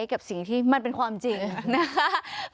กับสิ่งที่มันเป็นความจริงนะคะ